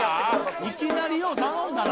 いきなりよう頼んだな。